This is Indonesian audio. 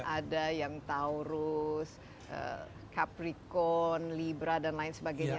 ada yang taurus capricorn libra dan lain sebagainya